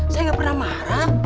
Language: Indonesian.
saya gak pernah marah